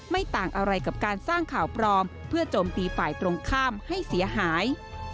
ไม่ต่างอะไรกับการสร้างข่าวปลอมเพื่อโจมตีฝ่ายตรงข้ามให้เสียหาย